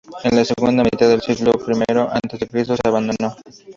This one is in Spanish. En la segunda mitad del siglo I a. C. se abandonó.